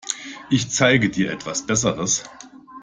Ich zeige dir etwas Besseres.